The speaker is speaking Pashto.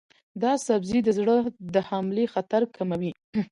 دا سبزی د زړه د حملې خطر کموي.